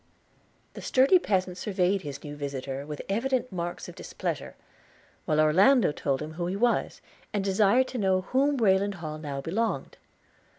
The sturdy peasant surveyed his new visitor with evident marks of displeasure, while Orlando told him who he was, and desired to know to whom Rayland Hall now belonged.